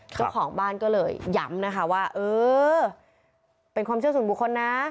เจ้าของบ้านก็เลยย้ำนะคะว่าเออเป็นความเชื่อส่วนบุคคลนะ